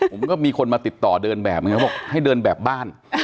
ผมก็มีคนมาติดต่อเดินแบบบอกให้เดินแบบบ้าน